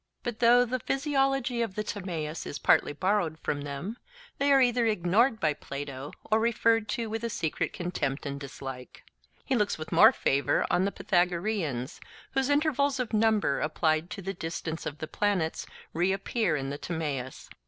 But though the physiology of the Timaeus is partly borrowed from them, they are either ignored by Plato or referred to with a secret contempt and dislike. He looks with more favour on the Pythagoreans, whose intervals of number applied to the distances of the planets reappear in the Timaeus.